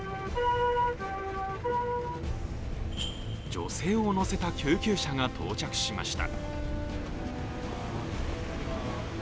女性を乗せた救急車が到着しました。